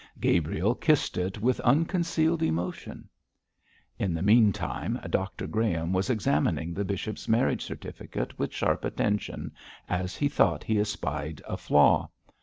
Gabriel kissed it with unconcealed emotion. In the meantime, Dr Graham was examining the bishop's marriage certificate with sharp attention, as he thought he espied a flaw.